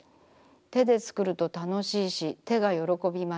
手でつくると楽しいし手がよろこびます。